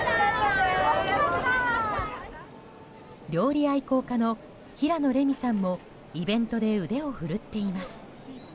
料理愛好家の平野レミさんもイベントで腕を振るっています。